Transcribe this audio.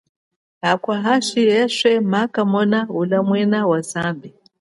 Akwa hashi eswe maakamona ulamwino wa zambi.